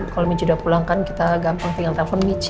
kalau mici udah pulang kan kita gampang tinggal telepon mici